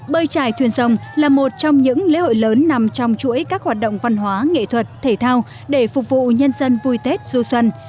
bơi trải thuyền rồng là một trong những lễ hội lớn nằm trong chuỗi các hoạt động văn hóa nghệ thuật thể thao để phục vụ nhân dân vui tết du xuân